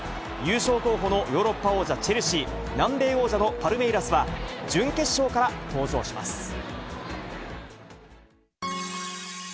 優勝候補のヨーロッパ王者、チェルシー、南米王者のパルメイラスは、準決勝から登場します。